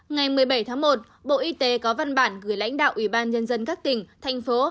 ngày một mươi bảy tháng một bộ y tế có văn bản gửi lãnh đạo ủy ban nhân dân các tỉnh thành phố